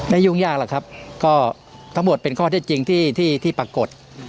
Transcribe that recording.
ยุ่งยากหรอกครับก็ทั้งหมดเป็นข้อเท็จจริงที่ที่ปรากฏ